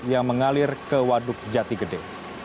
yang mengalir ke waduk jati gede